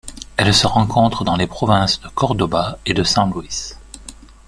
Elle se rencontre dans les provinces de Córdoba et de San Luis.